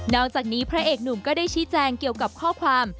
อกจากนี้พระเอกหนุ่มก็ได้ชี้แจงเกี่ยวกับข้อความ